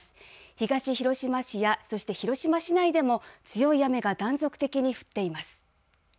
東広島市やそして広島市内でも、強い雨が断続的に降っています。